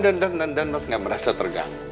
dan dan dan dan mas gak merasa terganggu